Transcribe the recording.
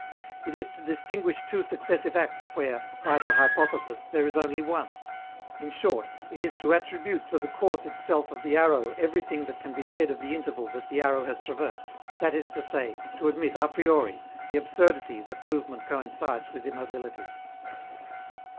It is to distinguish two successive acts where, by the hypothesis, there is only one. In short, it is to attribute to the course itself of the arrow everything that can be said of the interval that the arrow has traversed, that is to say, to admit a priori the absurdity that movement coincides with immobility.